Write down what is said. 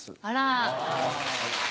あら。